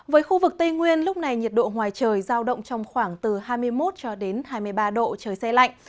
với khu vực tây nguyên lúc này nhiệt độ ngoài trời giao động trong khoảng từ hai mươi một cho đến hai mươi ba độ trời xe lạnh